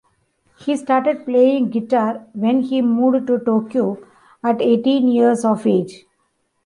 He started playing guitar when he moved to Tokyo at eighteen years of age.